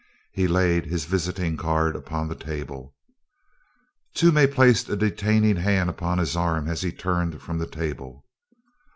He laid his visiting card upon the table. Toomey placed a detaining hand upon his arm as he turned from the table.